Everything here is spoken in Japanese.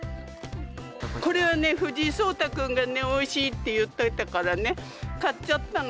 これはね、藤井聡太君がね、おいしいって言ってたからね、買っちゃったの。